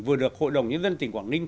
vừa được hội đồng nhân dân tỉnh quảng ninh